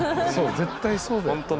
そう絶対そうだよ。